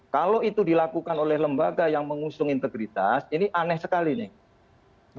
kalau itu dilakukan oleh lembaga yang mengusung integritas ini aneh sekali nih